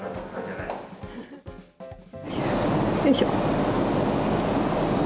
よいしょ。